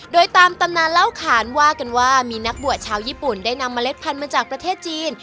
โดยตามตำนานเล่าขานว่ากันว่ามีนักบวชชาวญี่ปุ่นได้นำเมล็ดพันธุ์มาจากประเทศจีน